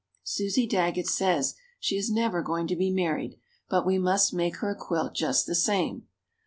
Susie Daggett says she is never going to be married, but we must make her a quilt just the same.